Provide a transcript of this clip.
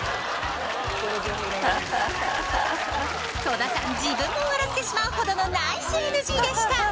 戸田さん自分も笑ってしまうほどのナイスＮＧでした。